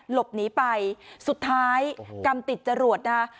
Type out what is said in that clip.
หลบหนีไปสุดท้ายกรรมติดจรวดนะคะ